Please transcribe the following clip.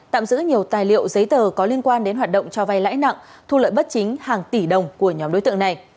tạm giữ nhiều tài liệu giấy tờ có liên quan đến hoạt động cho vay lãi nặng thu lợi bất chính hàng tỷ đồng của nhóm đối tượng này